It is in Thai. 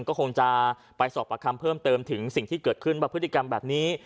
ก็คงจะไปสอบประคำเพิ่มเติมถึงสิ่งที่เกิดขึ้นว่าพฤติกรรมแบบนี้